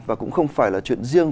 và cũng không phải là chuyện riêng